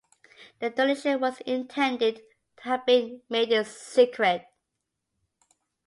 The donation was intended to have been made in secret.